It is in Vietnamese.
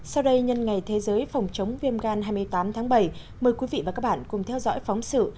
sau đây nhân ngày thế giới phòng chống viêm gan hai mươi tám tháng bảy mời quý vị và các bạn cùng theo dõi phóng sự